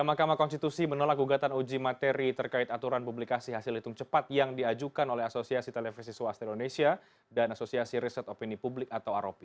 mahkamah konstitusi menolak gugatan uji materi terkait aturan publikasi hasil hitung cepat yang diajukan oleh asosiasi televisi swasta indonesia dan asosiasi riset opini publik atau rop